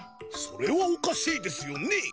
それはおかしいですよね。